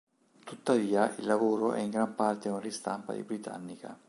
Tuttavia, il lavoro è in gran parte una ristampa di Britannica.